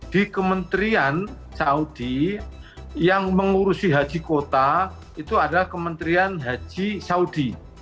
di kementerian saudi yang mengurusi haji kota itu adalah kementerian haji saudi